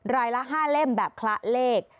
รายละ๕เล่มแบบคละเลข